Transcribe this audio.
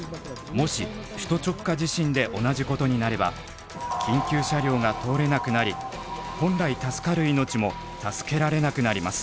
もし首都直下地震で同じことになれば緊急車両が通れなくなり本来助かる命も助けられなくなります。